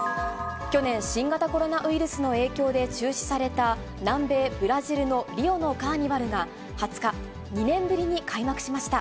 去年、新型コロナウイルスの影響で中止された、南米ブラジルのリオのカーニバルが、２０日、２年ぶりに開幕しました。